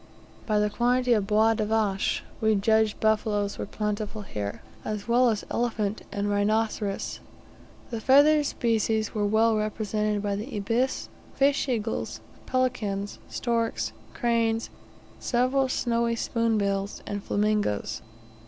By the quantity of bois de vaches, we judged buffaloes were plentiful here, as well as elephant and rhinoceros. The feathered species were well represented by ibis, fish eagles, pelicans, storks, cranes, several snowy spoon bills, and flamingoes.